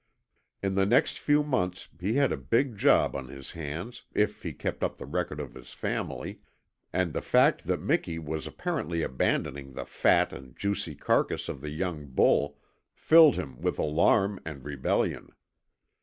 In the next few months he had a big job on his hands if he kept up the record of his family, and the fact that Miki was apparently abandoning the fat and juicy carcass of the young bull filled him with alarm and rebellion.